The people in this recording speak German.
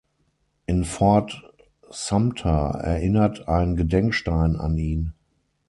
In Fort Sumter erinnert ein Gedenkstein an ihn.